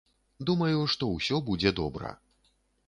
Думаю, што ўсё будзе добра.